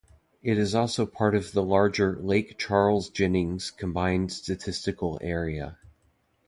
It is also part of the larger Lake Charles-Jennings Combined Statistical Area.